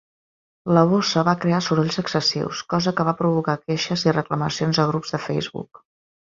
La bossa va crear sorolls excessius, cosa que va provocar queixes i reclamacions a grups de Facebook.